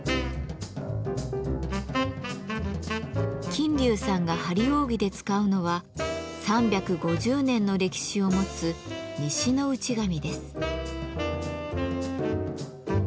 琴柳さんが張り扇で使うのは３５０年の歴史を持つ「西の内紙」です。